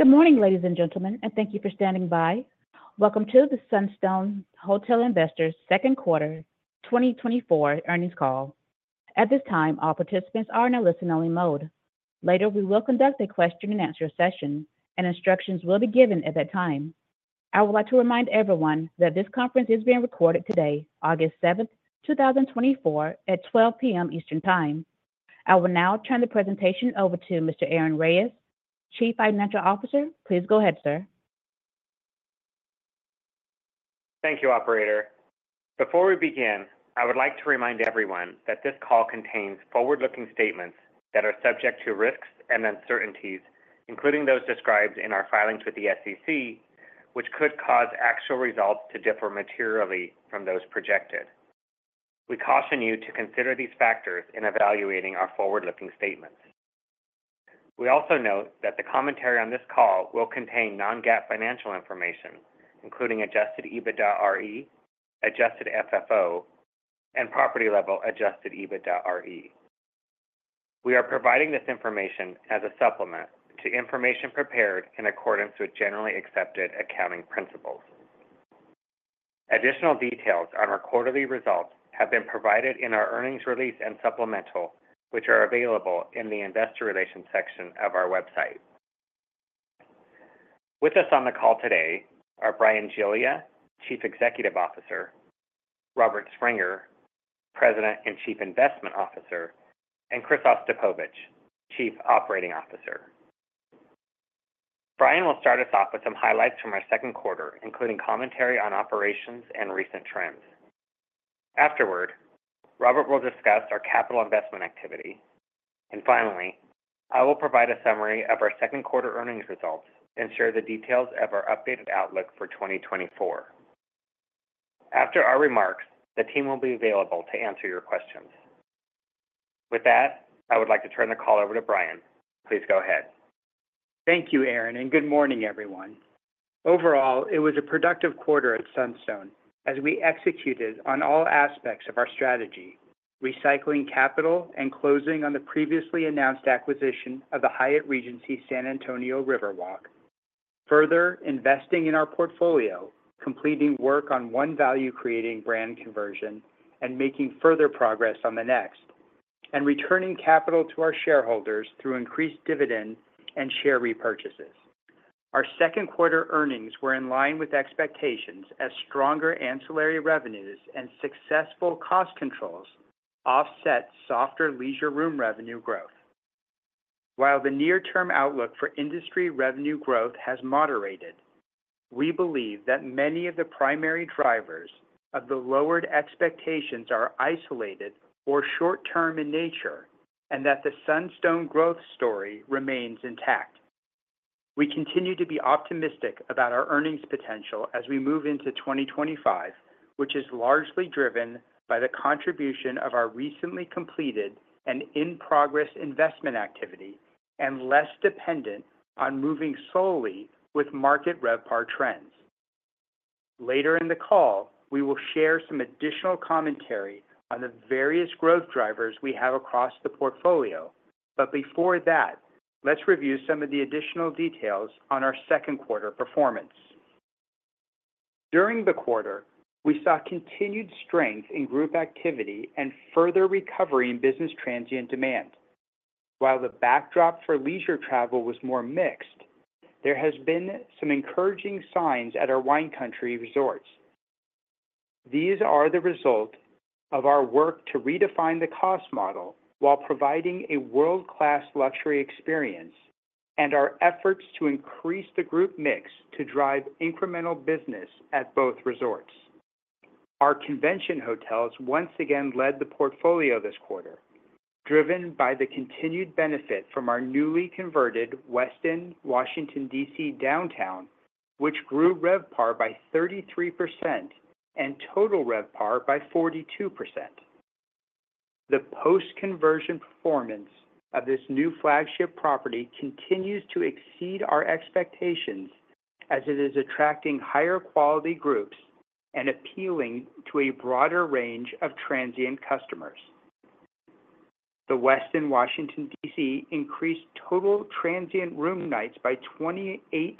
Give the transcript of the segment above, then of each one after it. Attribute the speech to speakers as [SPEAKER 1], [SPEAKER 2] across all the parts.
[SPEAKER 1] Good morning, ladies and gentlemen, and thank you for standing by. Welcome to the Sunstone Hotel Investors second quarter 2024 earnings call. At this time, all participants are in a listen-only mode. Later, we will conduct a question-and-answer session, and instructions will be given at that time. I would like to remind everyone that this conference is being recorded today, August 7th, 2024, at 12:00 P.M. Eastern Time. I will now turn the presentation over to Mr. Aaron Reyes, Chief Financial Officer. Please go ahead, sir.
[SPEAKER 2] Thank you, operator. Before we begin, I would like to remind everyone that this call contains forward-looking statements that are subject to risks and uncertainties, including those described in our filings with the SEC, which could cause actual results to differ materially from those projected. We caution you to consider these factors in evaluating our forward-looking statements. We also note that the commentary on this call will contain non-GAAP financial information, including adjusted EBITDAre, adjusted FFO, and property-level adjusted EBITDAre. We are providing this information as a supplement to information prepared in accordance with generally accepted accounting principles. Additional details on our quarterly results have been provided in our earnings release and supplemental, which are available in the investor relations section of our website. With us on the call today are Bryan Giglia, Chief Executive Officer, Robert Springer, President and Chief Investment Officer, and Chris Ostapovicz, Chief Operating Officer. Bryan will start us off with some highlights from our second quarter, including commentary on operations and recent trends. Afterward, Robert will discuss our capital investment activity, and finally, I will provide a summary of our second quarter earnings results and share the details of our updated outlook for 2024. After our remarks, the team will be available to answer your questions. With that, I would like to turn the call over to Bryan. Please go ahead.
[SPEAKER 3] Thank you, Aaron, and good morning, everyone. Overall, it was a productive quarter at Sunstone as we executed on all aspects of our strategy, recycling capital and closing on the previously announced acquisition of the Hyatt Regency San Antonio Riverwalk. Further investing in our portfolio, completing work on one value-creating brand conversion and making further progress on the next, and returning capital to our shareholders through increased dividend and share repurchases. Our second quarter earnings were in line with expectations as stronger ancillary revenues and successful cost controls offset softer leisure room revenue growth. While the near-term outlook for industry revenue growth has moderated, we believe that many of the primary drivers of the lowered expectations are isolated or short-term in nature, and that the Sunstone growth story remains intact. We continue to be optimistic about our earnings potential as we move into 2025, which is largely driven by the contribution of our recently completed and in-progress investment activity and less dependent on moving solely with market RevPAR trends. Later in the call, we will share some additional commentary on the various growth drivers we have across the portfolio, but before that, let's review some of the additional details on our second quarter performance. During the quarter, we saw continued strength in group activity and further recovery in business transient demand. While the backdrop for leisure travel was more mixed, there has been some encouraging signs at our Wine Country resorts. These are the result of our work to redefine the cost model while providing a world-class luxury experience and our efforts to increase the group mix to drive incremental business at both resorts. Our convention hotels once again led the portfolio this quarter, driven by the continued benefit from our newly converted Westin Washington, D.C. Downtown, which grew RevPAR by 33% and total RevPAR by 42%. The post-conversion performance of this new flagship property continues to exceed our expectations as it is attracting higher quality groups and appealing to a broader range of transient customers. The Westin Washington, D.C. increased total transient room nights by 28%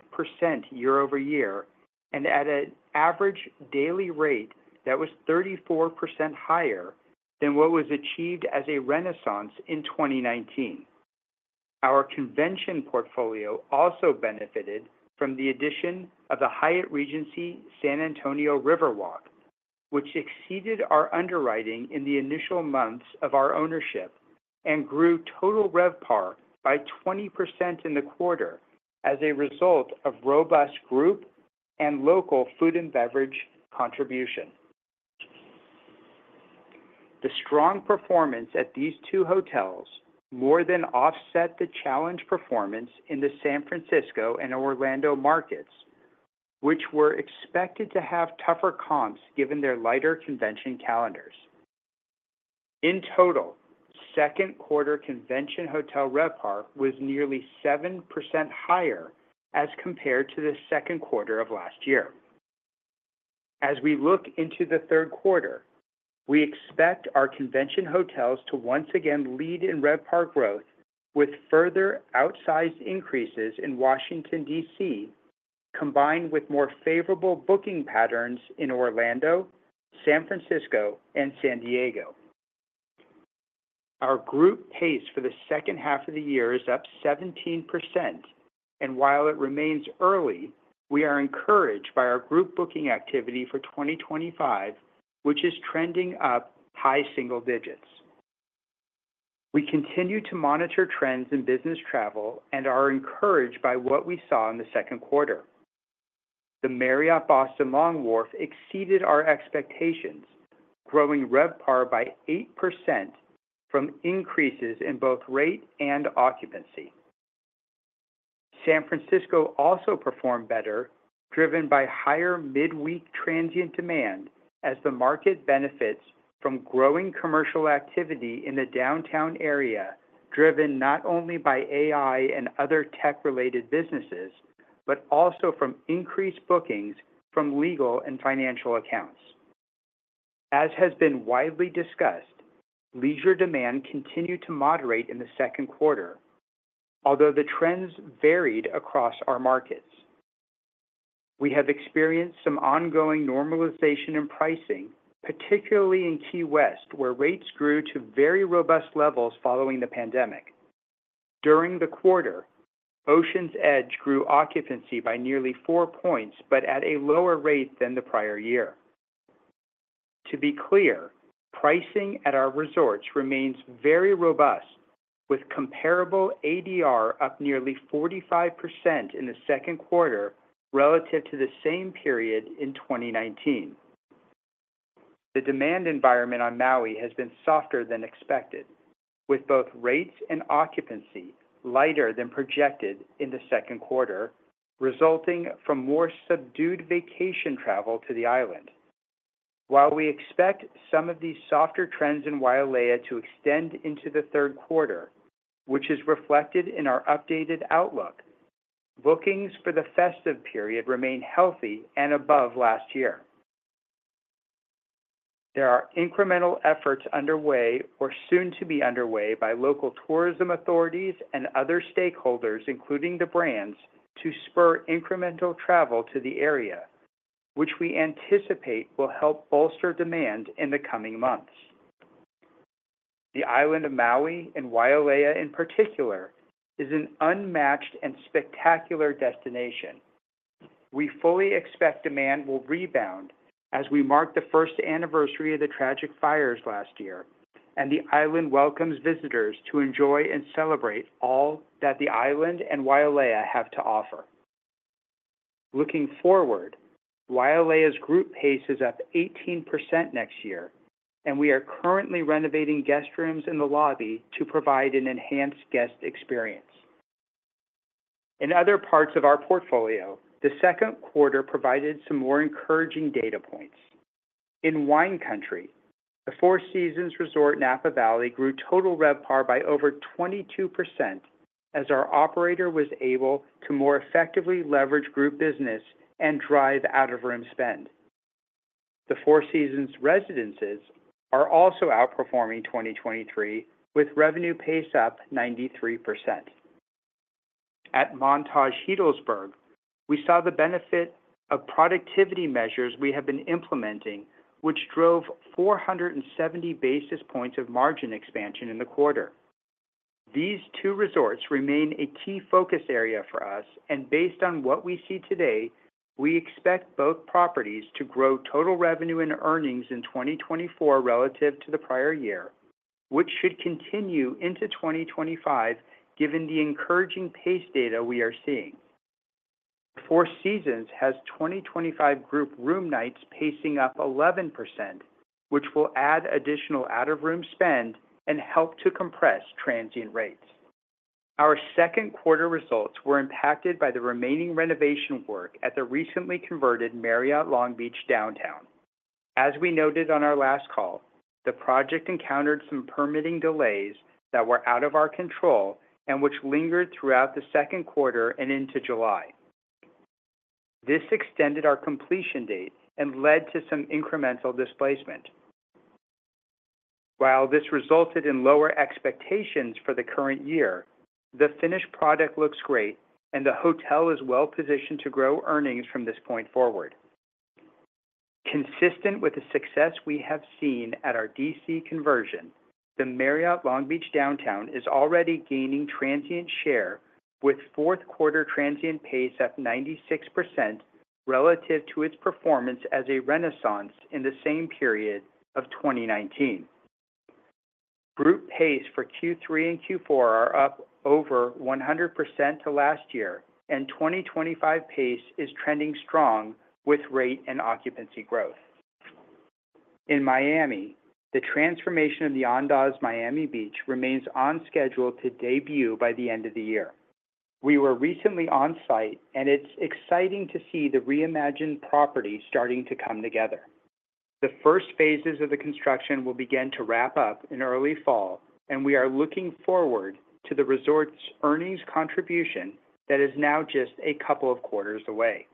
[SPEAKER 3] year-over-year and at an average daily rate that was 34% higher than what was achieved as a Renaissance in 2019. Our convention portfolio also benefited from the addition of the Hyatt Regency San Antonio Riverwalk, which exceeded our underwriting in the initial months of our ownership and grew total RevPAR by 20% in the quarter as a result of robust group and local food and beverage contribution. The strong performance at these two hotels more than offset the challenged performance in the San Francisco and Orlando markets, which were expected to have tougher comps given their lighter convention calendars. In total, second quarter convention hotel RevPAR was nearly 7% higher as compared to the second quarter of last year. As we look into the third quarter, we expect our convention hotels to once again lead in RevPAR growth, with further outsized increases in Washington, D.C., combined with more favorable booking patterns in Orlando, San Francisco, and San Diego. Our group pace for the second half of the year is up 17%, and while it remains early, we are encouraged by our group booking activity for 2025, which is trending up high single digits. We continue to monitor trends in business travel and are encouraged by what we saw in the second quarter. The Marriott Boston Long Wharf exceeded our expectations, growing RevPAR by 8% from increases in both rate and occupancy. San Francisco also performed better, driven by higher mid-week transient demand as the market benefits from growing commercial activity in the downtown area, driven not only by AI and other tech-related businesses, but also from increased bookings from legal and financial accounts. As has been widely discussed, leisure demand continued to moderate in the second quarter, although the trends varied across our markets. We have experienced some ongoing normalization in pricing, particularly in Key West, where rates grew to very robust levels following the pandemic. During the quarter, Oceans Edge grew occupancy by nearly four points, but at a lower rate than the prior year. To be clear, pricing at our resorts remains very robust, with comparable ADR up nearly 45% in the second quarter relative to the same period in 2019. The demand environment on Maui has been softer than expected, with both rates and occupancy lighter than projected in the second quarter, resulting from more subdued vacation travel to the island. While we expect some of these softer trends in Wailea to extend into the third quarter, which is reflected in our updated outlook, bookings for the festive period remain healthy and above last year. There are incremental efforts underway or soon to be underway by local tourism authorities and other stakeholders, including the brands, to spur incremental travel to the area, which we anticipate will help bolster demand in the coming months. The island of Maui, and Wailea in particular, is an unmatched and spectacular destination. We fully expect demand will rebound as we mark the first anniversary of the tragic fires last year, and the island welcomes visitors to enjoy and celebrate all that the island and Wailea have to offer. Looking forward, Wailea's group pace is up 18% next year, and we are currently renovating guest rooms in the lobby to provide an enhanced guest experience. In other parts of our portfolio, the second quarter provided some more encouraging data points. In Wine Country, the Four Seasons Resort Napa Valley grew total RevPAR by over 22%, as our operator was able to more effectively leverage group business and drive out-of-room spend. The Four Seasons residences are also outperforming 2023, with revenue pace up 93%. At Montage Healdsburg, we saw the benefit of productivity measures we have been implementing, which drove 470 basis points of margin expansion in the quarter. These two resorts remain a key focus area for us, and based on what we see today, we expect both properties to grow total revenue and earnings in 2024 relative to the prior year, which should continue into 2025, given the encouraging pace data we are seeing. Four Seasons has 2025 group room nights pacing up 11%, which will add additional out-of-room spend and help to compress transient rates. Our second quarter results were impacted by the remaining renovation work at the recently converted Marriott Long Beach Downtown. As we noted on our last call, the project encountered some permitting delays that were out of our control and which lingered throughout the second quarter and into July. This extended our completion date and led to some incremental displacement. While this resulted in lower expectations for the current year, the finished product looks great, and the hotel is well positioned to grow earnings from this point forward. Consistent with the success we have seen at our D.C. conversion, the Marriott Long Beach Downtown is already gaining transient share, with fourth quarter transient pace up 96% relative to its performance as a Renaissance in the same period of 2019. Group pace for Q3 and Q4 are up over 100% to last year, and 2025 pace is trending strong with rate and occupancy growth. In Miami, the transformation of the Andaz Miami Beach remains on schedule to debut by the end of the year. We were recently on site, and it's exciting to see the reimagined property starting to come together. The first phases of the construction will begin to wrap up in early fall, and we are looking forward to the resort's earnings contribution that is now just a couple of quarters away.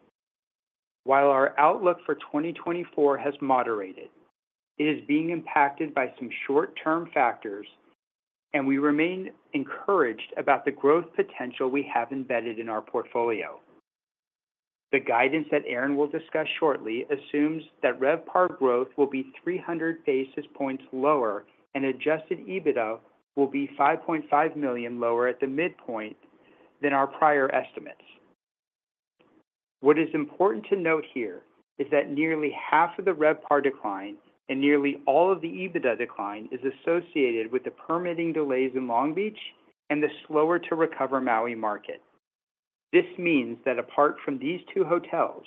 [SPEAKER 3] While our outlook for 2024 has moderated, it is being impacted by some short-term factors, and we remain encouraged about the growth potential we have embedded in our portfolio. The guidance that Aaron will discuss shortly assumes that RevPAR growth will be 300 basis points lower, and adjusted EBITDA will be $5.5 million lower at the midpoint than our prior estimates. What is important to note here is that nearly half of the RevPAR decline and nearly all of the EBITDA decline is associated with the permitting delays in Long Beach and the slower to recover Maui market. This means that apart from these two hotels,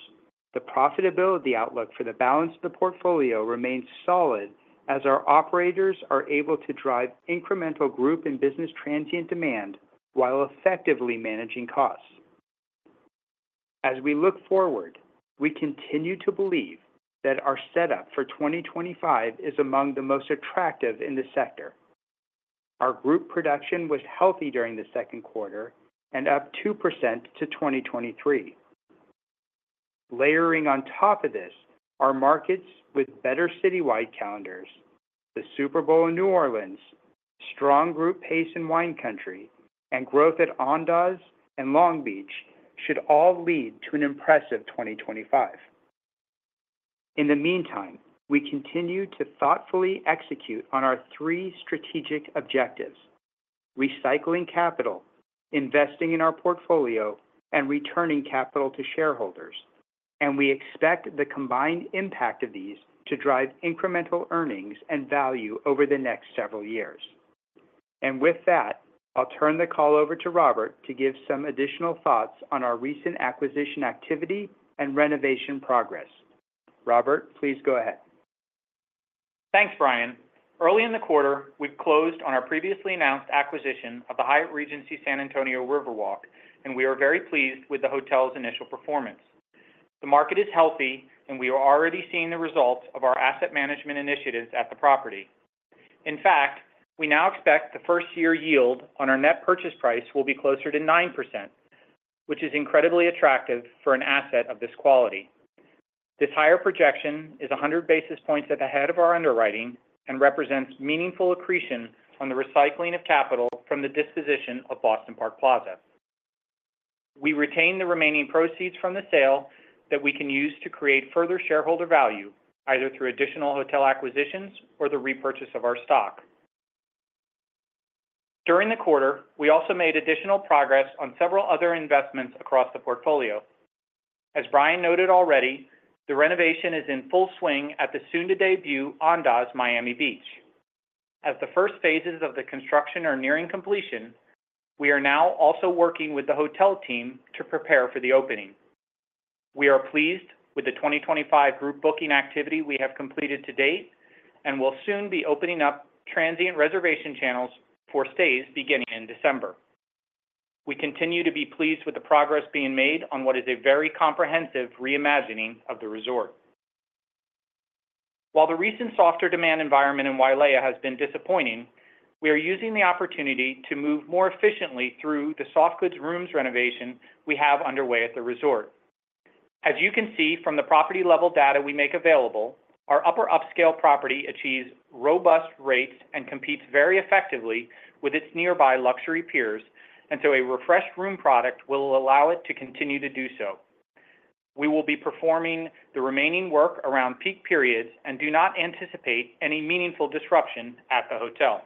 [SPEAKER 3] the profitability outlook for the balance of the portfolio remains solid as our operators are able to drive incremental group and business transient demand while effectively managing costs. As we look forward, we continue to believe that our setup for 2025 is among the most attractive in the sector. Our group production was healthy during the second quarter and up 2% to 2023. Layering on top of this, are markets with better citywide calendars, the Super Bowl in New Orleans, strong group pace in Wine Country, and growth at Andaz and Long Beach should all lead to an impressive 2025. In the meantime, we continue to thoughtfully execute on our three strategic objectives: recycling capital, investing in our portfolio, and returning capital to shareholders, and we expect the combined impact of these to drive incremental earnings and value over the next several years. With that, I'll turn the call over to Robert to give some additional thoughts on our recent acquisition activity and renovation progress. Robert, please go ahead.
[SPEAKER 4] Thanks, Bryan. Early in the quarter, we closed on our previously announced acquisition of the Hyatt Regency San Antonio Riverwalk, and we are very pleased with the hotel's initial performance. The market is healthy, and we are already seeing the results of our asset management initiatives at the property. In fact, we now expect the first year yield on our net purchase price will be closer to 9%, which is incredibly attractive for an asset of this quality. This higher projection is 100 basis points ahead of our underwriting and represents meaningful accretion on the recycling of capital from the disposition of Boston Park Plaza. We retain the remaining proceeds from the sale that we can use to create further shareholder value, either through additional hotel acquisitions or the repurchase of our stock. During the quarter, we also made additional progress on several other investments across the portfolio. As Bryan noted already, the renovation is in full swing at the soon-to-debut Andaz Miami Beach. As the first phases of the construction are nearing completion, we are now also working with the hotel team to prepare for the opening. We are pleased with the 2025 group booking activity we have completed to date and will soon be opening up transient reservation channels for stays beginning in December. We continue to be pleased with the progress being made on what is a very comprehensive reimagining of the resort. While the recent softer demand environment in Wailea has been disappointing, we are using the opportunity to move more efficiently through the soft goods rooms renovation we have underway at the resort. As you can see from the property-level data we make available, our upper upscale property achieves robust rates and competes very effectively with its nearby luxury peers, and so a refreshed room product will allow it to continue to do so. We will be performing the remaining work around peak periods and do not anticipate any meaningful disruption at the hotel.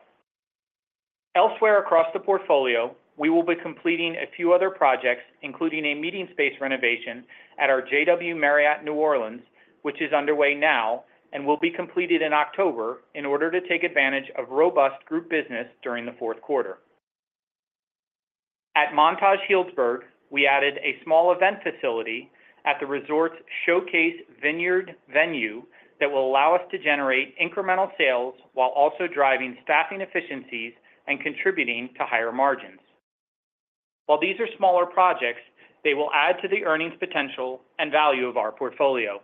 [SPEAKER 4] Elsewhere across the portfolio, we will be completing a few other projects, including a meeting space renovation at our JW Marriott New Orleans, which is underway now and will be completed in October in order to take advantage of robust group business during the fourth quarter. At Montage Healdsburg, we added a small event facility at the resort's showcase vineyard venue that will allow us to generate incremental sales while also driving staffing efficiencies and contributing to higher margins. While these are smaller projects, they will add to the earnings potential and value of our portfolio.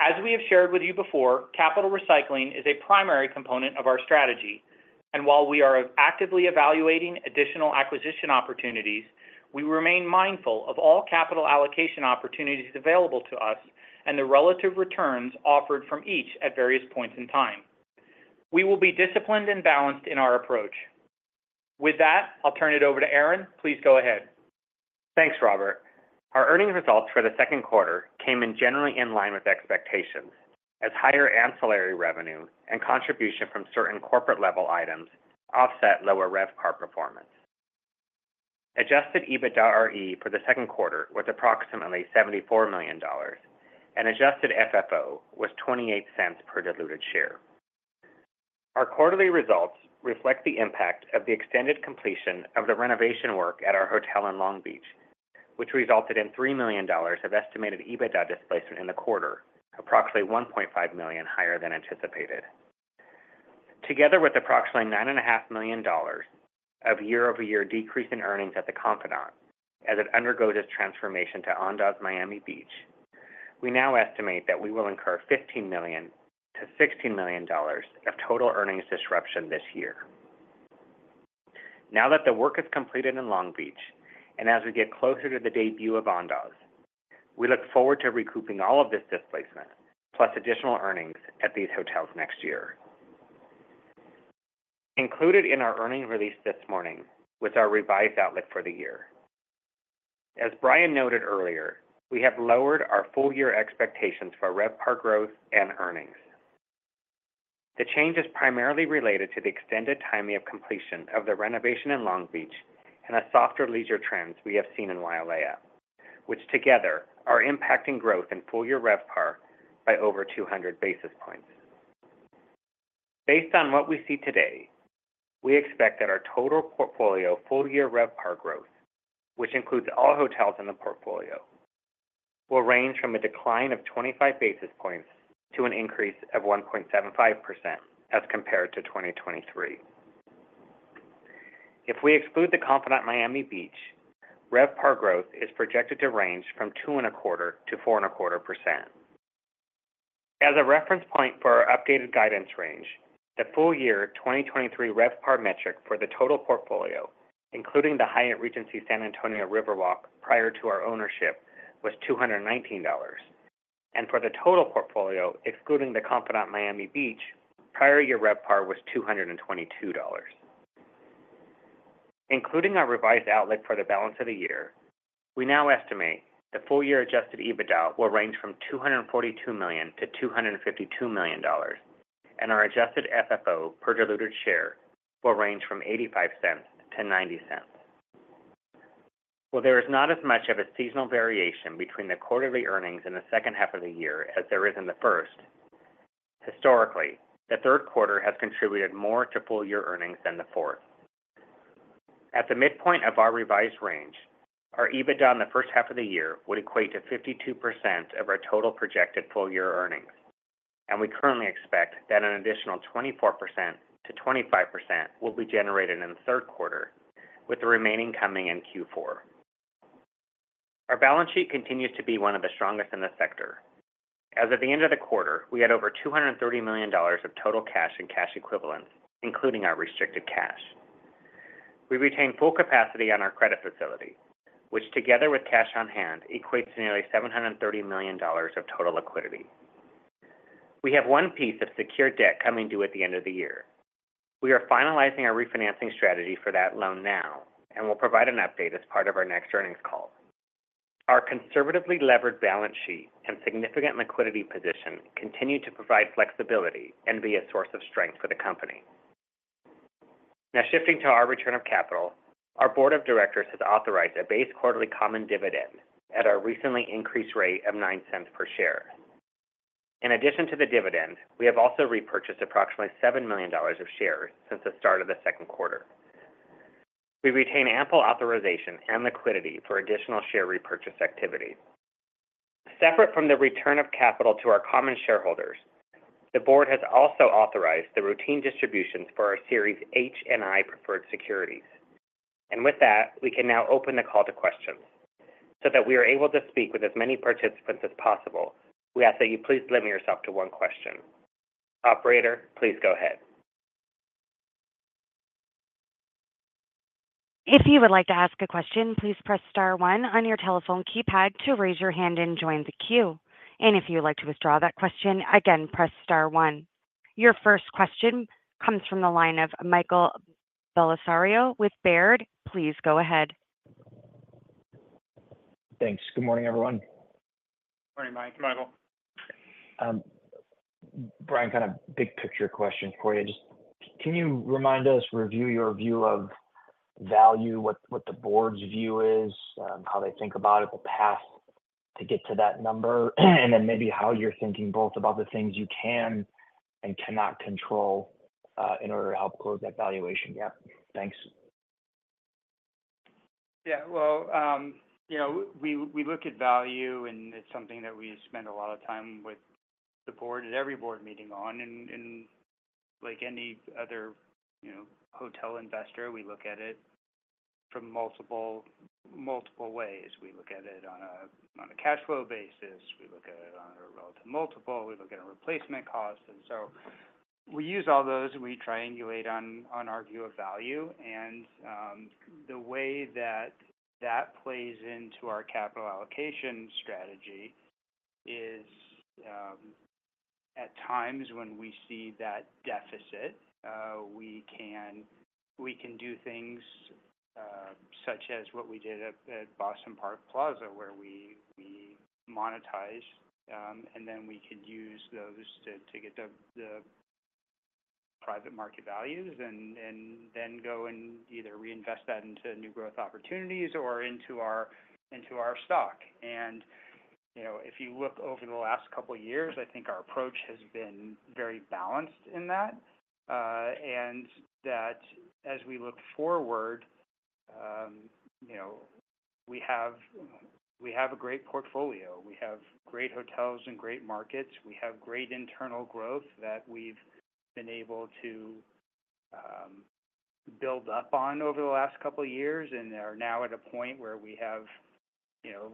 [SPEAKER 4] As we have shared with you before, capital recycling is a primary component of our strategy, and while we are actively evaluating additional acquisition opportunities, we remain mindful of all capital allocation opportunities available to us and the relative returns offered from each at various points in time. We will be disciplined and balanced in our approach. With that, I'll turn it over to Aaron. Please go ahead.
[SPEAKER 2] Thanks, Robert. Our earnings results for the second quarter came in generally in line with expectations, as higher ancillary revenue and contribution from certain corporate level items offset lower RevPAR performance. Adjusted EBITDAre for the second quarter was approximately $74 million, and adjusted FFO was $0.28 per diluted share. Our quarterly results reflect the impact of the extended completion of the renovation work at our hotel in Long Beach, which resulted in $3 million of estimated EBITDA displacement in the quarter, approximately $1.5 million higher than anticipated. Together with approximately $9.5 million of year-over-year decrease in earnings at the Confidante as it undergoes its transformation to Andaz Miami Beach, we now estimate that we will incur $15 million-$16 million of total earnings disruption this year. Now that the work is completed in Long Beach, and as we get closer to the debut of Andaz, we look forward to recouping all of this displacement, plus additional earnings at these hotels next year. Included in our earnings release this morning was our revised outlook for the year. As Bryan noted earlier, we have lowered our full-year expectations for RevPAR growth and earnings. The change is primarily related to the extended timing of completion of the renovation in Long Beach and the softer leisure trends we have seen in Wailea, which together are impacting growth in full-year RevPAR by over 200 basis points. Based on what we see today, we expect that our total portfolio full-year RevPAR growth, which includes all hotels in the portfolio, will range from a decline of 25 basis points to an increase of 1.75% as compared to 2023. If we exclude The Confidante Miami Beach, RevPAR growth is projected to range from 2.25%-4.25%. As a reference point for our updated guidance range, the full year 2023 RevPAR metric for the total portfolio, including the Hyatt Regency San Antonio Riverwalk prior to our ownership, was $219. For the total portfolio, excluding The Confidante Miami Beach, prior year RevPAR was $222. Including our revised outlook for the balance of the year, we now estimate the full year Adjusted EBITDA will range from $242 million-$252 million, and our Adjusted FFO per diluted share will range from $0.85-$0.90. Well, there is not as much of a seasonal variation between the quarterly earnings in the second half of the year as there is in the first. Historically, the third quarter has contributed more to full year earnings than the fourth. At the midpoint of our revised range, our EBITDA in the first half of the year would equate to 52% of our total projected full year earnings, and we currently expect that an additional 24%-25% will be generated in the third quarter, with the remaining coming in Q4. Our balance sheet continues to be one of the strongest in the sector. As at the end of the quarter, we had over $230 million of total cash and cash equivalents, including our restricted cash. We retained full capacity on our credit facility, which together with cash on hand, equates to nearly $730 million of total liquidity. We have one piece of secured debt coming due at the end of the year. We are finalizing our refinancing strategy for that loan now, and we'll provide an update as part of our next earnings call. Our conservatively levered balance sheet and significant liquidity position continue to provide flexibility and be a source of strength for the company. Now, shifting to our return of capital, our Board of Directors has authorized a base quarterly common dividend at our recently increased rate of $0.09 per share. In addition to the dividend, we have also repurchased approximately $7 million of shares since the start of the second quarter. We retain ample authorization and liquidity for additional share repurchase activity. Separate from the return of capital to our common shareholders, the board has also authorized the routine distributions for our Series H and I preferred securities. And with that, we can now open the call to questions, so that we are able to speak with as many participants as possible. We ask that you please limit yourself to one question. Operator, please go ahead.
[SPEAKER 1] If you would like to ask a question, please press Star one on your telephone keypad to raise your hand and join the queue. If you would like to withdraw that question, again, press Star one. Your first question comes from the line of Michael Bellisario with Baird. Please go ahead.
[SPEAKER 5] Thanks. Good morning, everyone.
[SPEAKER 2] Morning, Mike. Michael.
[SPEAKER 5] Bryan, kind of big picture question for you. Just can you remind us, review your view of value, what the board's view is, how they think about it, the path to get to that number? And then maybe how you're thinking both about the things you can and cannot control, in order to help close that valuation gap. Thanks.
[SPEAKER 3] Yeah, well, you know, we look at value, and it's something that we spend a lot of time with the board, at every board meeting on. And like any other, you know, hotel investor, we look at it from multiple ways. We look at it on a cash flow basis, we look at it on a relative multiple, we look at a replacement cost. And so we use all those, we triangulate on our view of value. The way that that plays into our capital allocation strategy is, at times when we see that deficit, we can do things such as what we did at Boston Park Plaza, where we monetize, and then we could use those to get the private market values and then go and either reinvest that into new growth opportunities or into our stock. You know, if you look over the last couple of years, I think our approach has been very balanced in that, and that as we look forward- You know, we have a great portfolio. We have great hotels and great markets. We have great internal growth that we've been able to build up on over the last couple of years, and are now at a point where we have, you know,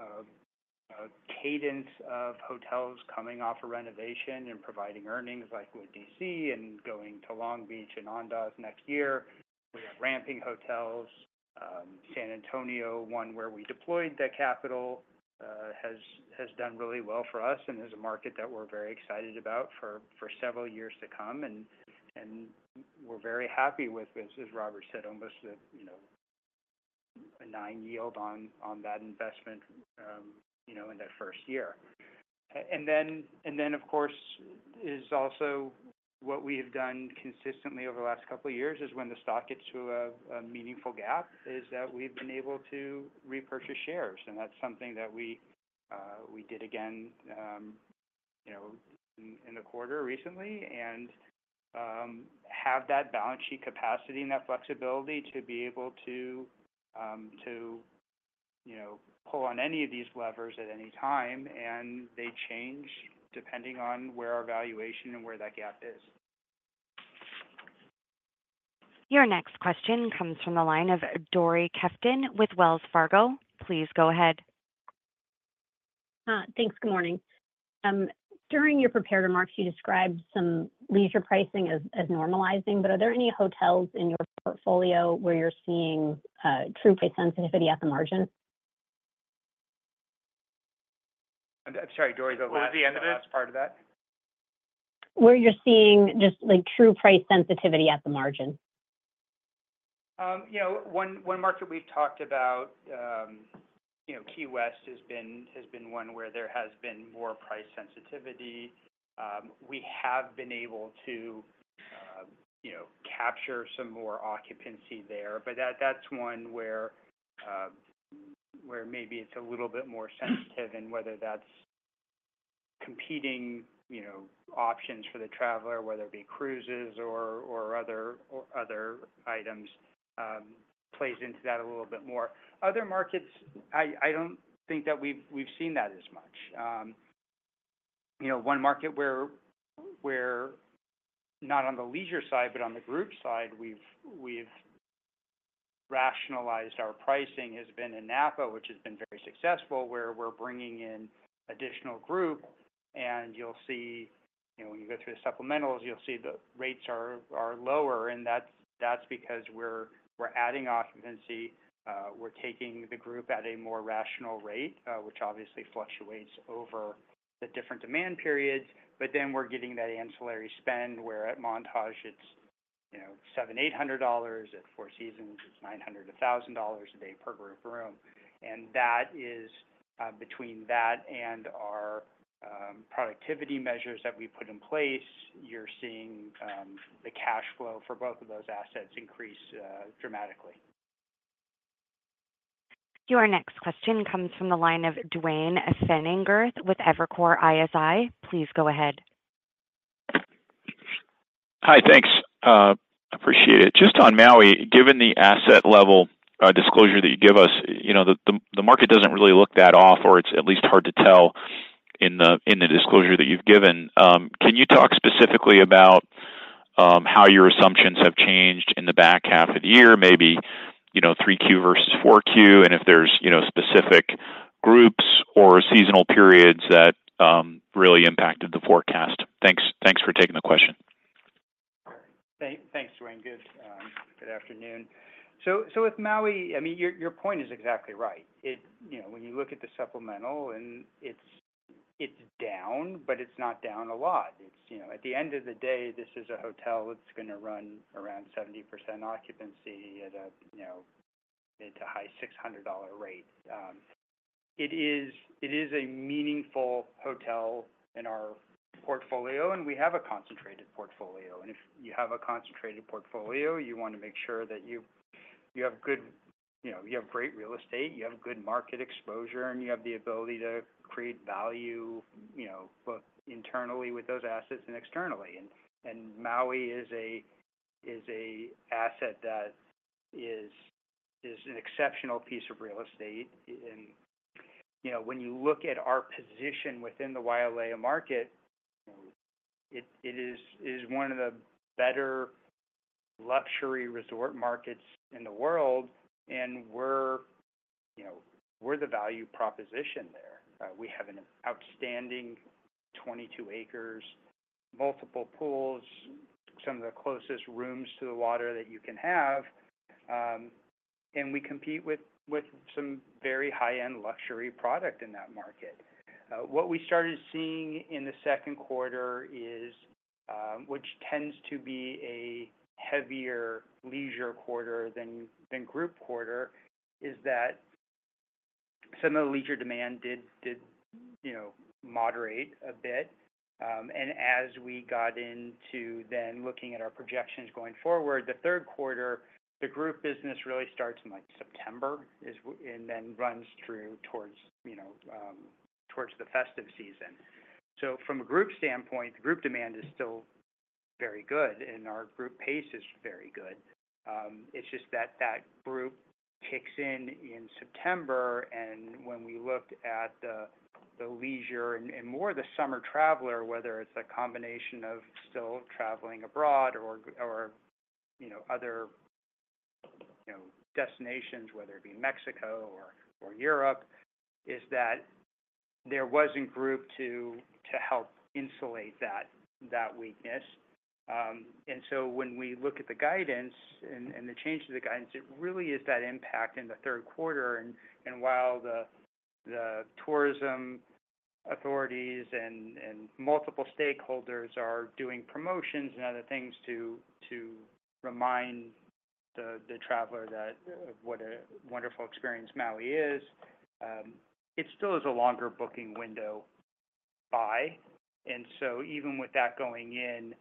[SPEAKER 3] a cadence of hotels coming off a renovation and providing earnings, like with D.C. and going to Long Beach and Andaz next year. We have ramping hotels. San Antonio, one where we deployed that capital, has done really well for us, and is a market that we're very excited about for several years to come. We're very happy with this, as Robert said, almost a 9 yield on that investment, you know, in that first year. And then, of course, is also what we have done consistently over the last couple of years, is when the stock gets to a meaningful gap, is that we've been able to repurchase shares, and that's something that we did again, you know, in the quarter recently. And have that balance sheet capacity and that flexibility to be able to, you know, pull on any of these levers at any time, and they change depending on where our valuation and where that gap is.
[SPEAKER 1] Your next question comes from the line of Dori Kesten with Wells Fargo. Please go ahead.
[SPEAKER 6] Thanks. Good morning. During your prepared remarks, you described some leisure pricing as, as normalizing, but are there any hotels in your portfolio where you're seeing true price sensitivity at the margin?
[SPEAKER 3] I'm sorry, Dori, the last-
[SPEAKER 2] What was the end of it?
[SPEAKER 3] - the last part of that.
[SPEAKER 6] Where you're seeing just, like, true price sensitivity at the margin?
[SPEAKER 3] You know, one market we've talked about, you know, Key West has been one where there has been more price sensitivity. We have been able to, you know, capture some more occupancy there. But that's one where maybe it's a little bit more sensitive, and whether that's competing, you know, options for the traveler, whether it be cruises or other items, plays into that a little bit more. Other markets, I don't think that we've seen that as much. You know, one market where, not on the leisure side, but on the group side, we've rationalized our pricing, has been in Napa, which has been very successful, where we're bringing in additional group. And you'll see. You know, when you go through the supplementals, you'll see the rates are lower, and that's because we're adding occupancy. We're taking the group at a more rational rate, which obviously fluctuates over the different demand periods, but then we're getting that ancillary spend, where at Montage it's, you know, $700-$800, at Four Seasons it's $900-$1,000 a day per group room. And that is, between that and our productivity measures that we put in place, you're seeing the cash flow for both of those assets increase dramatically.
[SPEAKER 1] Your next question comes from the line of Duane Pfennigwerth with Evercore ISI. Please go ahead.
[SPEAKER 7] Hi, thanks. Appreciate it. Just on Maui, given the asset level disclosure that you give us, you know, the market doesn't really look that off, or it's at least hard to tell in the disclosure that you've given. Can you talk specifically about how your assumptions have changed in the back half of the year, maybe, you know, 3Q versus 4Q? And if there's, you know, specific groups or seasonal periods that really impacted the forecast. Thanks. Thanks for taking the question.
[SPEAKER 3] Thanks, Duane. Good afternoon. So with Maui, I mean, your point is exactly right. It... You know, when you look at the supplemental and it's down, but it's not down a lot. It's, you know – At the end of the day, this is a hotel that's going to run around 70% occupancy at a, you know, it's a high $600 rate. It is a meaningful hotel in our portfolio, and we have a concentrated portfolio. And if you have a concentrated portfolio, you want to make sure that you have good. You know, you have great real estate, you have good market exposure, and you have the ability to create value, you know, both internally with those assets and externally. Maui is an asset that is an exceptional piece of real estate. You know, when you look at our position within the Wailea market, it is one of the better luxury resort markets in the world, and we're, you know, we're the value proposition there. We have an outstanding 22 acres, multiple pools, some of the closest rooms to the water that you can have, and we compete with some very high-end luxury product in that market. What we started seeing in the second quarter is, which tends to be a heavier leisure quarter than group quarter, is that some of the leisure demand did, you know, moderate a bit. And as we got into then looking at our projections going forward, the third quarter, the group business really starts in, like, September, and then runs through towards, you know, towards the festive season. So from a group standpoint, the group demand is very good, and our group pace is very good. It's just that that group kicks in in September, and when we looked at the leisure and more the summer traveler, whether it's a combination of still traveling abroad or, you know, other destinations, whether it be Mexico or Europe, is that there wasn't group to help insulate that weakness. And so when we look at the guidance and the change to the guidance, it really is that impact in the third quarter. And while the tourism authorities and multiple stakeholders are doing promotions and other things to remind the traveler that of what a wonderful experience Maui is, it still is a longer booking window by. And so even with that going in,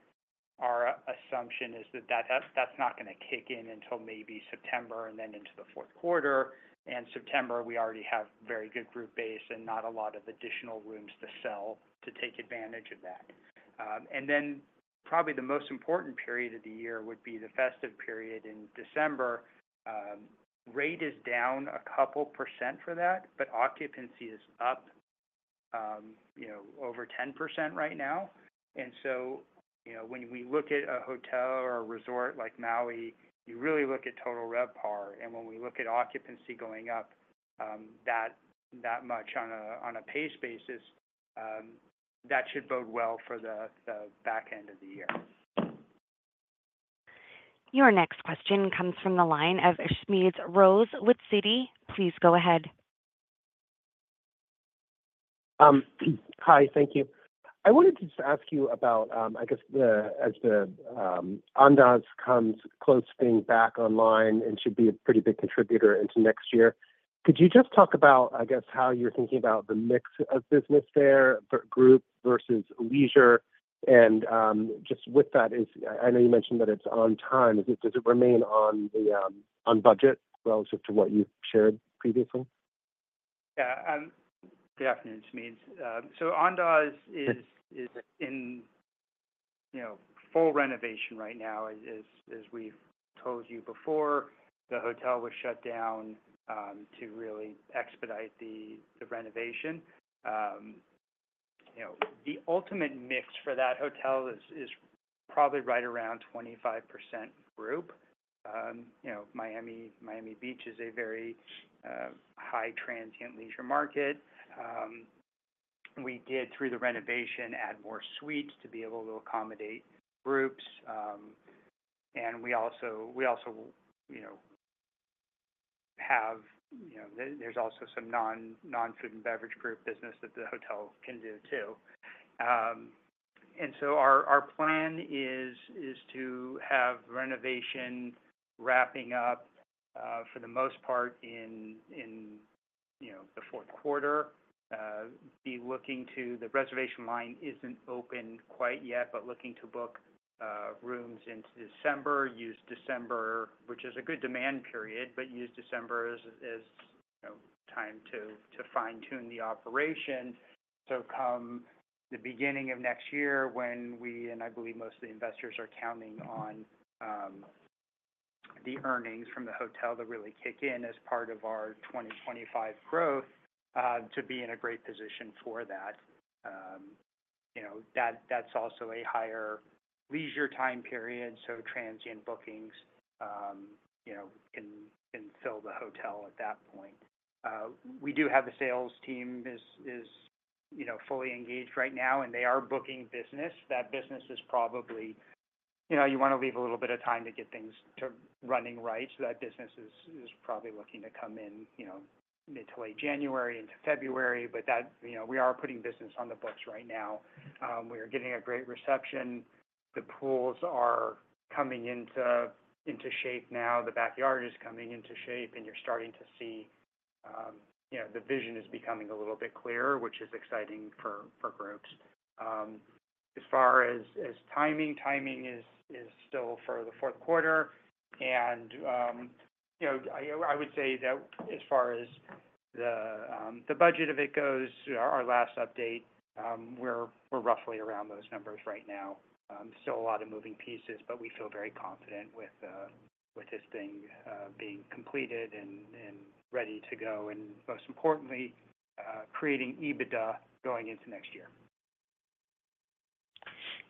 [SPEAKER 3] our assumption is that that's not gonna kick in until maybe September, and then into the fourth quarter. And September, we already have very good group base and not a lot of additional rooms to sell to take advantage of that. And then probably the most important period of the year would be the festive period in December. Rate is down a couple% for that, but occupancy is up, you know, over 10% right now. And so, you know, when we look at a hotel or a resort like Maui, you really look at total RevPAR. When we look at occupancy going up that much on a pace basis, that should bode well for the back end of the year.
[SPEAKER 1] Your next question comes from the line of Smedes Rose with Citi. Please go ahead.
[SPEAKER 8] Hi, thank you. I wanted to just ask you about, I guess, as the Andaz comes close to being back online and should be a pretty big contributor into next year. Could you just talk about, I guess, how you're thinking about the mix of business there for group versus leisure? And, just with that, I know you mentioned that it's on time. Does it remain on budget relative to what you've shared previously?
[SPEAKER 3] Yeah, good afternoon, Smedes. So Andaz is in, you know, full renovation right now. As we've told you before, the hotel was shut down to really expedite the renovation. You know, the ultimate mix for that hotel is probably right around 25% group. You know, Miami, Miami Beach is a very high transient leisure market. We did, through the renovation, add more suites to be able to accommodate groups. And we also, we also, you know, have. You know, there's also some non-food and beverage group business that the hotel can do too. And so our plan is to have renovation wrapping up for the most part in, you know, the fourth quarter. Be looking to the reservation line isn't open quite yet, but looking to book rooms into December. Use December, which is a good demand period, but use December as, as, you know, time to, to fine-tune the operation. So come the beginning of next year, when we, and I believe most of the investors, are counting on the earnings from the hotel to really kick in as part of our 2025 growth, to be in a great position for that. You know, that, that's also a higher leisure time period, so transient bookings, you know, can, can fill the hotel at that point. We do have a sales team is, is, you know, fully engaged right now, and they are booking business. That business is probably— you know, you want to leave a little bit of time to get things to running right. So that business is probably looking to come in, you know, mid to late January into February. But that— you know, we are putting business on the books right now. We are getting a great reception. The pools are coming into shape now. The backyard is coming into shape, and you're starting to see, you know, the vision is becoming a little bit clearer, which is exciting for groups. As far as timing, timing is still for the fourth quarter. You know, I would say that as far as the budget of it goes, our last update, we're roughly around those numbers right now. Still a lot of moving pieces, but we feel very confident with this thing being completed and ready to go, and most importantly, creating EBITDA going into next year.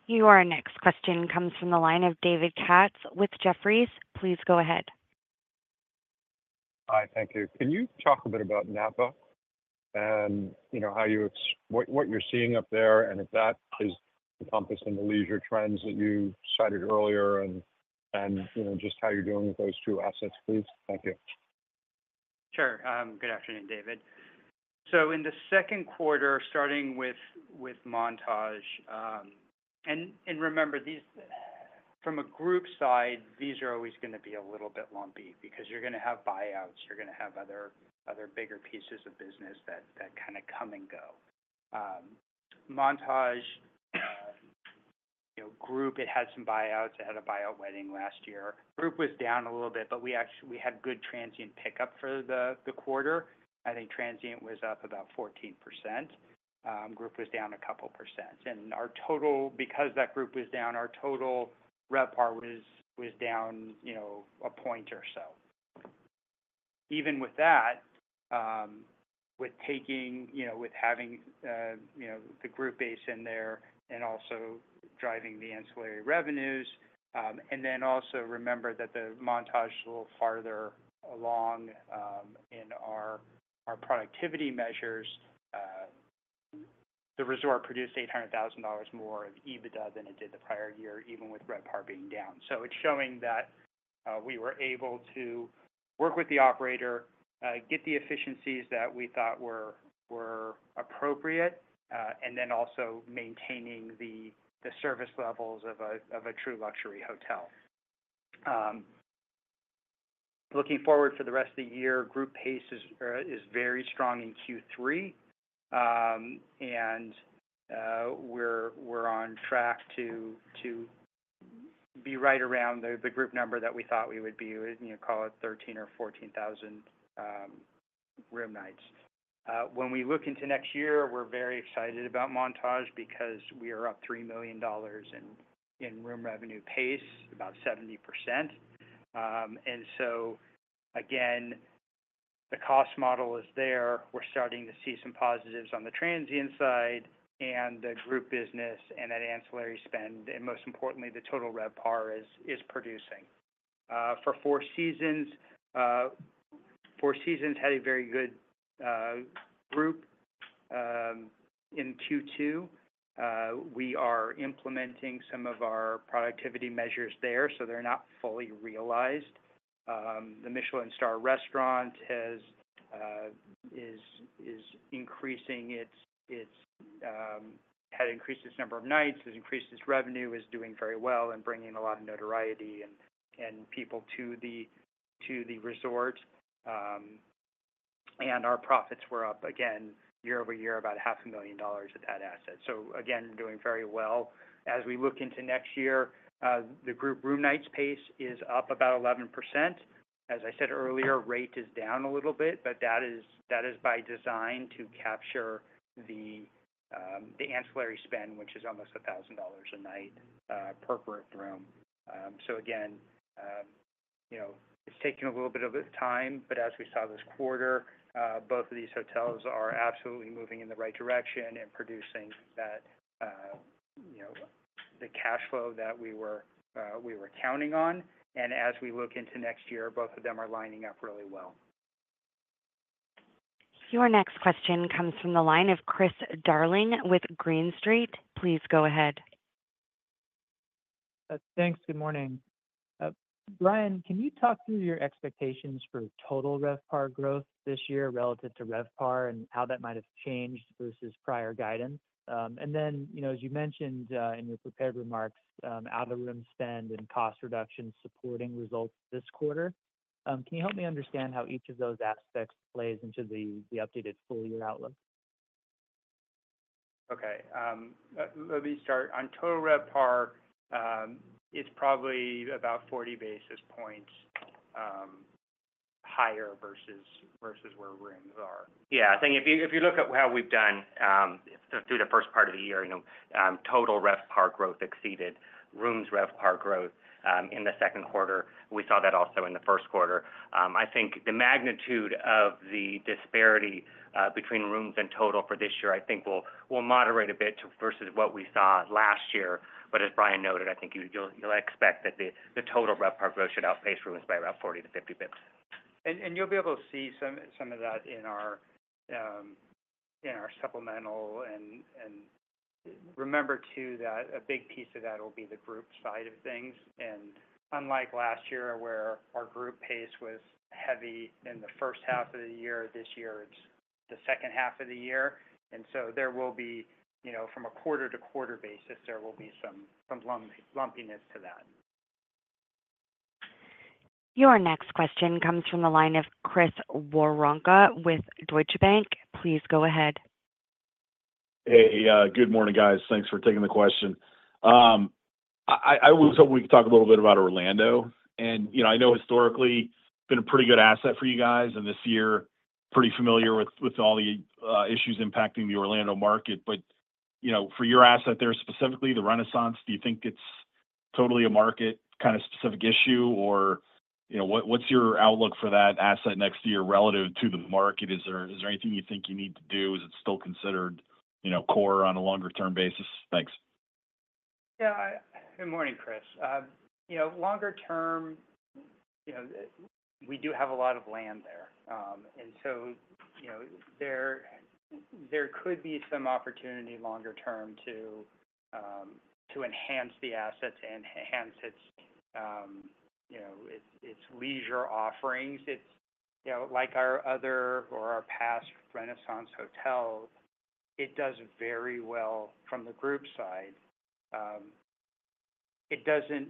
[SPEAKER 1] Your next question comes from the line of David Katz with Jefferies. Please go ahead.
[SPEAKER 9] Hi, thank you. Can you talk a bit about Napa and, you know, what you're seeing up there, and if that is encompassed in the leisure trends that you cited earlier, and, you know, just how you're doing with those two assets, please? Thank you.
[SPEAKER 3] Sure. Good afternoon, David. So in the second quarter, starting with Montage, and remember, these. From a group side, these are always gonna be a little bit lumpy because you're gonna have buyouts, you're gonna have other bigger pieces of business that kinda come and go. Montage, you know, group, it had some buyouts. It had a buyout wedding last year. Group was down a little bit, but we actually-- we had good transient pickup for the quarter. I think transient was up about 14%. Group was down a couple percent. And our total-- Because that group was down, our total RevPAR was down, you know, a point or so even with that, with taking, you know, with having the group base in there and also driving the ancillary revenues. And then also remember that the Montage is a little farther along in our productivity measures. The resort produced $800,000 more of EBITDA than it did the prior year, even with RevPAR being down. So it's showing that we were able to work with the operator, get the efficiencies that we thought were appropriate, and then also maintaining the service levels of a true luxury hotel. Looking forward for the rest of the year, group pace is very strong in Q3. And we're on track to be right around the group number that we thought we would be, you know, call it 13,000 or 14,000 room nights. When we look into next year, we're very excited about Montage because we are up $3 million in room revenue pace, about 70%. And so again, the cost model is there. We're starting to see some positives on the transient side, and the group business, and that ancillary spend, and most importantly, the total RevPAR is producing. For Four Seasons, Four Seasons had a very good group in 2Q. We are implementing some of our productivity measures there, so they're not fully realized. The Michelin star restaurant has increased its number of nights, has increased its revenue, is doing very well and bringing a lot of notoriety and people to the resort. Our profits were up again, year-over-year, about $500,000 at that asset. So again, doing very well. As we look into next year, the group room nights pace is up about 11%. As I said earlier, rate is down a little bit, but that is, that is by design to capture the, the ancillary spend, which is almost $1,000 a night, per room. So again, you know, it's taking a little bit of time, but as we saw this quarter, both of these hotels are absolutely moving in the right direction and producing that, you know, the cash flow that we were, we were counting on. As we look into next year, both of them are lining up really well.
[SPEAKER 1] Your next question comes from the line of Chris Darling with Green Street. Please go ahead.
[SPEAKER 10] Thanks. Good morning. Bryan, can you talk through your expectations for total RevPAR growth this year relative to RevPAR and how that might have changed versus prior guidance? And then, you know, as you mentioned, in your prepared remarks, out-of-room spend and cost reduction supporting results this quarter, can you help me understand how each of those aspects plays into the updated full-year outlook?
[SPEAKER 3] Okay, let me start. On total RevPAR, it's probably about 40 basis points higher versus where rooms are.
[SPEAKER 2] Yeah. I think if you, if you look at how we've done through the first part of the year, you know, total RevPAR growth exceeded rooms RevPAR growth in the second quarter. We saw that also in the first quarter. I think the magnitude of the disparity between rooms and total for this year, I think will moderate a bit versus what we saw last year. But as Brian noted, I think you'll expect that the total RevPAR growth should outpace rooms by about 40-50 basis points.
[SPEAKER 3] And you'll be able to see some of that in our supplemental. And remember, too, that a big piece of that will be the group side of things. And unlike last year, where our group pace was heavy in the first half of the year, this year it's the second half of the year, and so there will be, you know, from a quarter-to-quarter basis, there will be some lumpiness to that.
[SPEAKER 1] Your next question comes from the line of Chris Woronka with Deutsche Bank. Please go ahead.
[SPEAKER 11] Hey, good morning, guys. Thanks for taking the question. I was hoping we could talk a little bit about Orlando. And, you know, I know historically, it's been a pretty good asset for you guys, and this year, pretty familiar with all the issues impacting the Orlando market. But, you know, for your asset there, specifically the Renaissance, do you think it's totally a market kind of specific issue? Or, you know, what's your outlook for that asset next year relative to the market? Is there anything you think you need to do? Is it still considered, you know, core on a longer-term basis? Thanks.
[SPEAKER 3] Yeah. Good morning, Chris. You know, longer-term, you know, we do have a lot of land there. And so, you know, there, there could be some opportunity longer term to to enhance the assets, enhance its, you know, its, its leisure offerings. It's. You know, like our other or our past Renaissance hotels, it does very well from the group side. It doesn't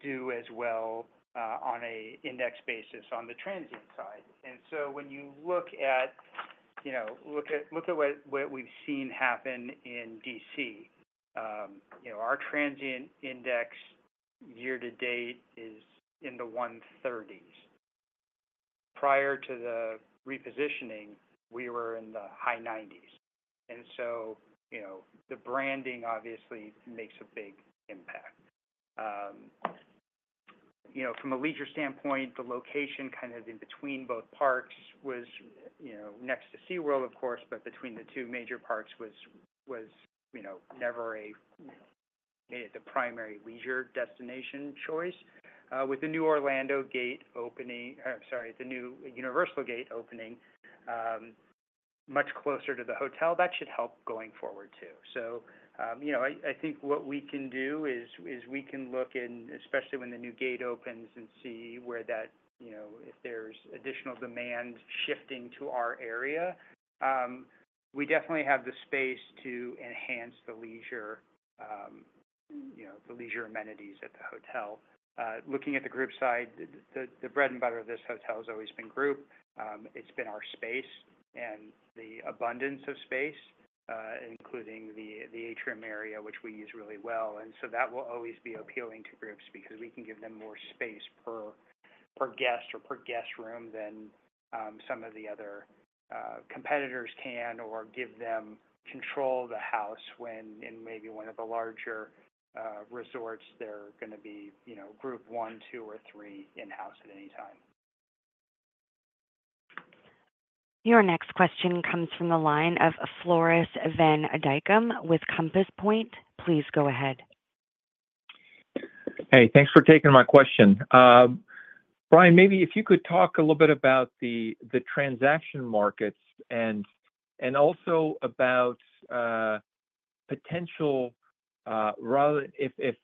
[SPEAKER 3] do as well on an index basis on the transient side. And so when you look at, you know, look at, look at what, what we've seen happen in D.C., you know, our transient index year to date is in the 130s. Prior to the repositioning, we were in the high 90s. And so, you know, the branding obviously makes a big impact. You know, from a leisure standpoint, the location kind of in between both parks was, you know, next to SeaWorld, of course, but between the two major parks was, you know, never made it the primary leisure destination choice. With the new Orlando gate opening, sorry, the new Universal gate opening, much closer to the hotel, that should help going forward, too. So, you know, I think what we can do is we can look in, especially when the new gate opens, and see where that, you know, if there's additional demand shifting to our area. We definitely have the space to enhance the leisure, you know, the leisure amenities at the hotel. Looking at the group side, the bread and butter of this hotel has always been group. It's been our space and the abundance of space, including the atrium area, which we use really well, and so that will always be appealing to groups because we can give them more space per guest or per guest room than some of the other competitors can, or give them control of the house, when in maybe one of the larger resorts, they're gonna be, you know, group one, two, or three in-house at any time.
[SPEAKER 1] Your next question comes from the line of Floris van Dijkum with Compass Point. Please go ahead.
[SPEAKER 12] Hey, thanks for taking my question. Bryan, maybe if you could talk a little bit about the transaction markets and also about potential rather if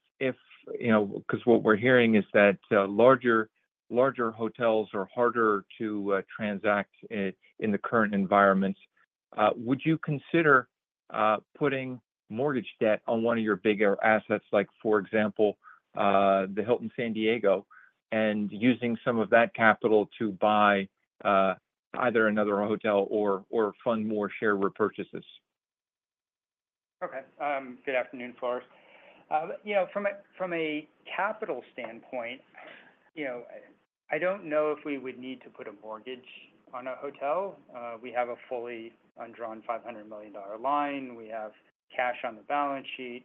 [SPEAKER 12] you know. Because what we're hearing is that larger hotels are harder to transact in the current environment. Would you consider putting mortgage debt on one of your bigger assets, like, for example, the Hilton San Diego, and using some of that capital to buy either another hotel or fund more share repurchases?
[SPEAKER 3] Okay. Good afternoon, Floris. You know, from a capital standpoint, you know, I don't know if we would need to put a mortgage on a hotel. We have a fully undrawn $500 million line. We have cash on the balance sheet.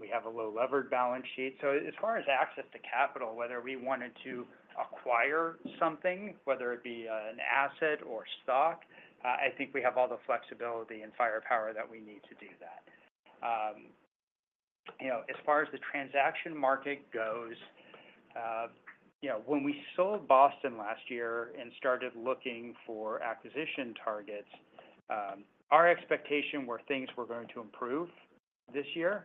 [SPEAKER 3] We have a low levered balance sheet. So as far as access to capital, whether we wanted to acquire something, whether it be an asset or stock, I think we have all the flexibility and firepower that we need to do that. You know, as far as the transaction market goes, you know, when we sold Boston last year and started looking for acquisition targets, our expectation were things were going to improve this year.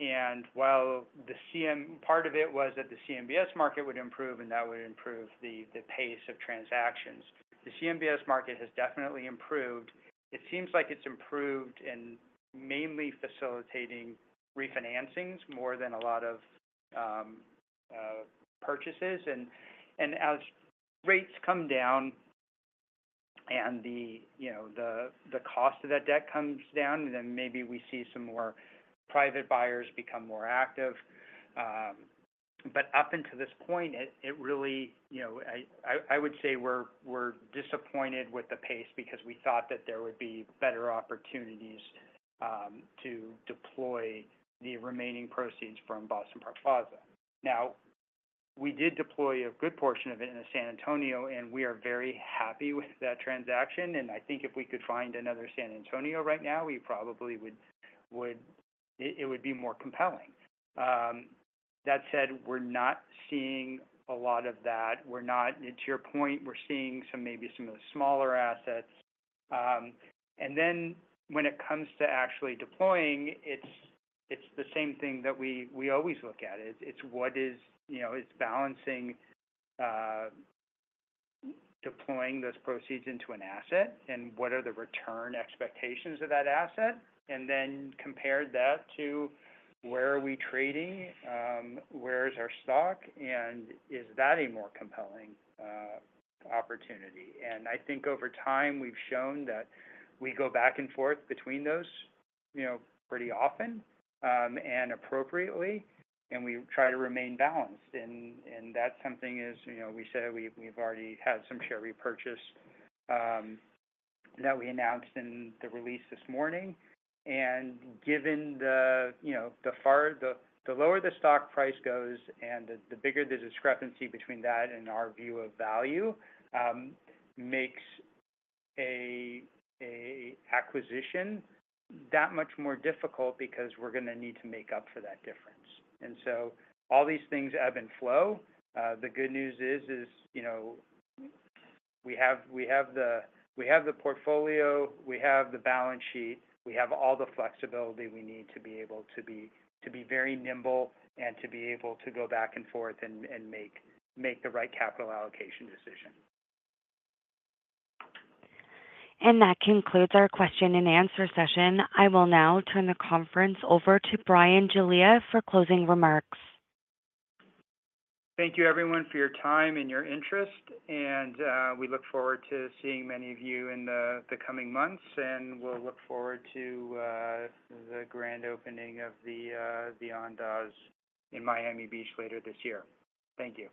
[SPEAKER 3] And while the CMBS part of it was that the CMBS market would improve, and that would improve the pace of transactions. The CMBS market has definitely improved. It seems like it's improved in mainly facilitating refinancings more than a lot of purchases. And as rates come down and the, you know, the cost of that debt comes down, then maybe we see some more private buyers become more active. But up until this point, it really, you know, I would say we're disappointed with the pace because we thought that there would be better opportunities to deploy the remaining proceeds from Boston Park Plaza. Now, we did deploy a good portion of it in the San Antonio, and we are very happy with that transaction, and I think if we could find another San Antonio right now, we probably would. It would be more compelling. That said, we're not seeing a lot of that. And to your point, we're seeing some, maybe some of the smaller assets. And then when it comes to actually deploying, it's the same thing that we always look at. It's what is, you know, it's balancing deploying those proceeds into an asset and what are the return expectations of that asset, and then compare that to where are we trading, where is our stock, and is that a more compelling opportunity? I think over time, we've shown that we go back and forth between those, you know, pretty often, and appropriately, and we try to remain balanced. That's something, you know, we said we've already had some share repurchase that we announced in the release this morning. Given the, you know, the lower the stock price goes and the bigger the discrepancy between that and our view of value, makes an acquisition that much more difficult because we're gonna need to make up for that difference. So all these things ebb and flow. The good news is, you know, we have the portfolio, we have the balance sheet, we have all the flexibility we need to be able to be very nimble and to be able to go back and forth and make the right capital allocation decision.
[SPEAKER 1] That concludes our question-and-answer session. I will now turn the conference over to Bryan Giglia for closing remarks.
[SPEAKER 3] Thank you, everyone, for your time and your interest, and we look forward to seeing many of you in the coming months, and we'll look forward to the grand opening of the Andaz in Miami Beach later this year. Thank you.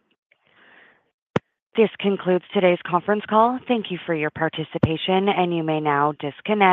[SPEAKER 1] This concludes today's conference call. Thank you for your participation, and you may now disconnect.